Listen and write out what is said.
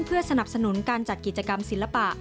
เพื่อสนับสนุนการจัดกิจกรรมศิลปะ